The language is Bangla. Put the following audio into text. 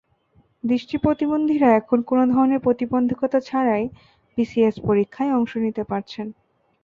দৃষ্টি প্রতিবন্ধীরা এখন কোনো ধরনের প্রতিবন্ধকতা ছাড়াই বিসিএস পরীক্ষায় অংশ নিতে পারছেন।